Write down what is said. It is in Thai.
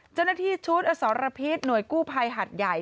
เจ้าหน้าที่ชุดอสรพิษหน่วยกู้ภัยหัดใหญ่